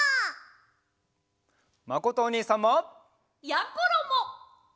まことおにいさんも！やころも！